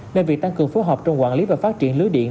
nên việc tăng cường phối hợp trong quản lý và phát triển lưới điện